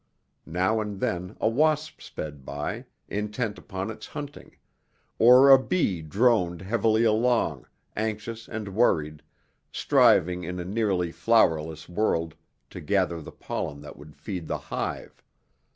Now and then a wasp sped by, intent upon its hunting, or a bee droned heavily along, anxious and worried, striving in a nearly flowerless world to gather the pollen that would feed the hive.